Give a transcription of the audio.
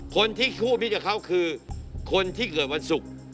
คนที่คู่นี้กับเขาคือคนที่เกิดวันศุกร์